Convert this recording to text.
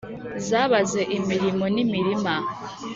zabaze imirimo n’imirima,